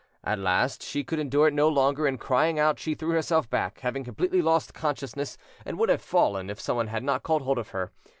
At last she could endure it no longer, and, crying out, she threw herself back, having completely lost consciousness, and would have fallen, if someone had not caught hold of her.